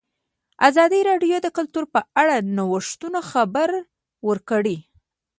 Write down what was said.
ازادي راډیو د کلتور په اړه د نوښتونو خبر ورکړی.